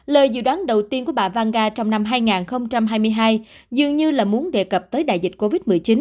lời dự đoán đầu tiên của bà vang trong năm hai nghìn hai mươi hai dường như là muốn đề cập tới đại dịch covid một mươi chín